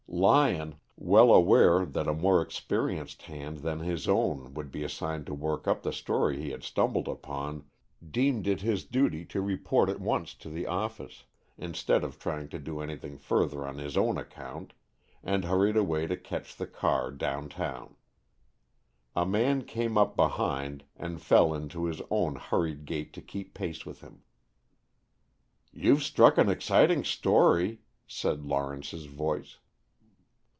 Lyon, well aware that a more experienced hand than his own would be assigned to work up the story he had stumbled upon, deemed it his duty to report at once to the office instead of trying to do anything further on his own account, and hurried away to catch the car down town. A man came up behind and fell into his own hurried gait to keep pace with him. "You've struck an exciting story," said Lawrence's voice.